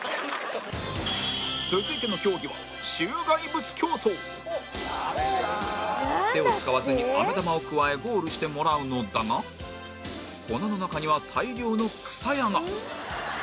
続いての競技は手を使わずにあめ玉をくわえゴールしてもらうのだが粉の中には大量のくさやが